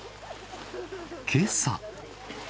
けさ。